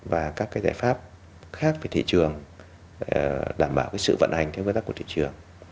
và các cái giải pháp khác về thị trường đảm bảo cái sự vận hành theo phương tác của thị trường